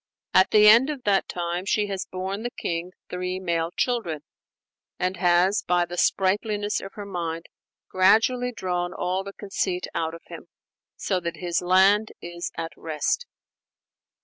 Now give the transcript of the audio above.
At the end of that time she has borne the king three male children; and has, by the sprightliness of her mind, gradually drawn all the conceit out of him, so that his land is at rest.